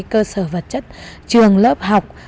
cơ sở vật chất trường lớp học